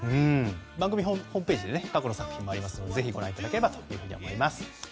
番組ホームページで過去の作品もありますのでぜひご覧いただければと思います。